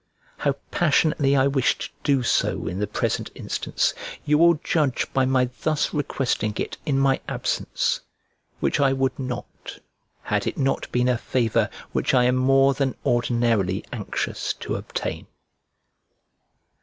How passionately I wish to do so in the present instance, you will judge by my thus requesting it in my absence; which I would not, had it not been a favour which I am more than ordinarily anxious to obtain.